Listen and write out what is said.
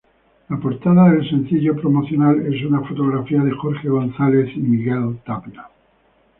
La portada del sencillo promocional es una fotografía de Jorge González y Miguel Tapia.